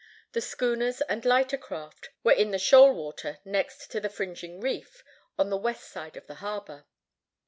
The schooners and lighter craft were in the shoal water next to the fringing reef on the west side of the harbor.